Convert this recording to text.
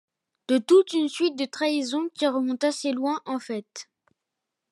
De toute une suite de trahisons qui remontent assez loin, en fait.